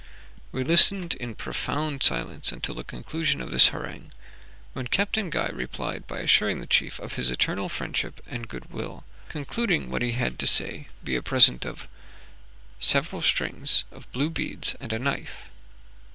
We listened in profound silence until the conclusion of this harangue, when Captain Guy replied by assuring the chief of his eternal friendship and goodwill, concluding what he had to say by a present of several strings of blue beads and a knife.